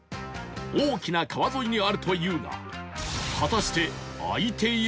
大きな川沿いにあるというが果たして開いているのか？